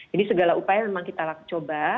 jadi segala upaya memang kita coba